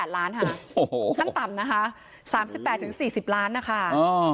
ค่ะขั้นต่ำนะคะ๓๘๔๐ล้านนะคะ